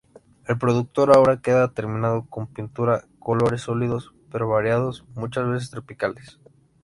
El producto ahora queda terminado con pintura, colores sólidos pero variados, muchas veces tropicales.